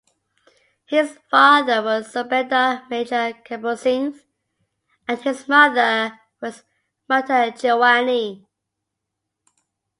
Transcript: His father was Subedar Major Kabul Singh and his mother was Mata Jiwani.